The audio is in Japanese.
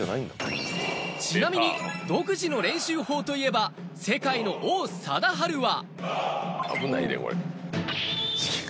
ちなみに独自の練習法といえば、世界の王貞治は。